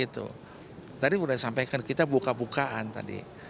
tadi sudah disampaikan kita buka bukaan tadi